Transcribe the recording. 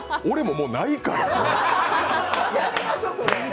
俺も、もうないから。